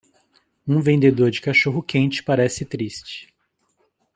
Um vendedor de cachorro-quente parece triste